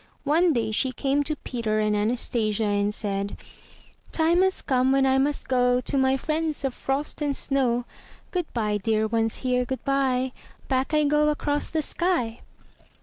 One day she came to Peter and Anastasia and said: 'Time has come when I must go To my friends of Frost and Snow. Good bye, dear ones here, good bye. Back I go across the sky!"